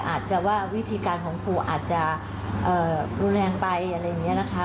อาจจะว่าวิธีการของครูอาจจะรุนแรงไปอะไรอย่างนี้นะคะ